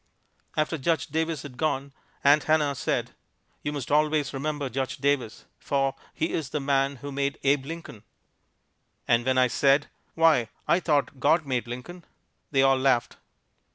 After Judge Davis had gone, Aunt Hannah said, "You must always remember Judge Davis, for he is the man who made Abe Lincoln!" And when I said, "Why, I thought God made Lincoln," they all laughed.